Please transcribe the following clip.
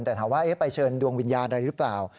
แต่ถามว่าเอ๊ะไปเชิญดวงวิญญาติอะไรรึเปล่า